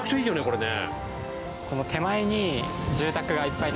これね。